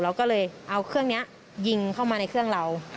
เราก็เลยเอาเครื่องนี้ยิงเข้ามาในเครื่องเรา